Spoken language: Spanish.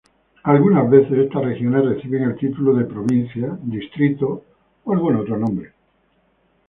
Algunas veces estas regiones reciben el título de provincia, distrito o algún otro nombre.